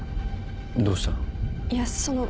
どうしたの？